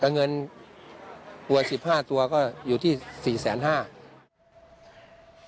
แต่เงินตัว๑๕ตัวก็อยู่ที่๔๕๐๐บาท